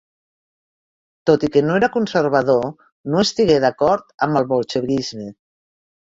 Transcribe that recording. Tot i que no era conservador, no estigué d'acord amb el bolxevisme.